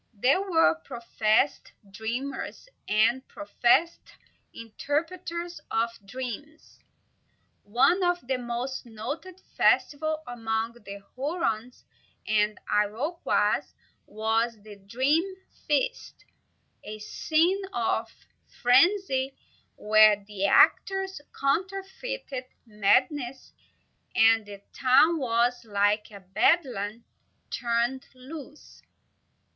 There were professed dreamers, and professed interpreters of dreams. One of the most noted festivals among the Hurons and Iroquois was the Dream Feast, a scene of frenzy, where the actors counterfeited madness, and the town was like a bedlam turned loose.